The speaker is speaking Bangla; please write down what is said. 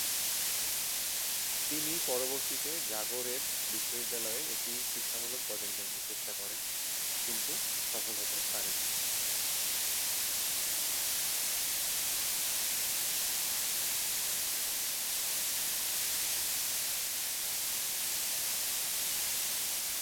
তিনি পরবর্তীতে জাগরেব বিশ্ববিদ্যালয়ে একটি শিক্ষামূলক পদের জন্য চেষ্টা করেন কিন্তু সফল হতে পারেন নি।